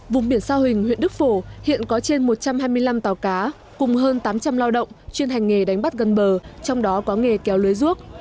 vùng biển sa huỳnh huyện đức phổ hiện có trên một trăm hai mươi năm tàu cá cùng hơn tám trăm linh lao động chuyên hành nghề đánh bắt gần bờ trong đó có nghề kéo lưới ruốc